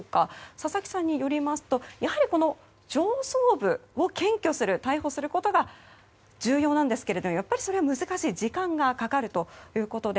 佐々木さんによりますとやはり上層部を検挙する、逮捕することが重要なんですけどやっぱりそれは難しい時間がかかるということで